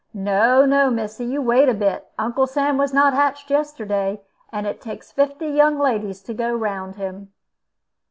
"No, no, missy; you wait a bit. Uncle Sam was not hatched yesterday, and it takes fifty young ladies to go round him."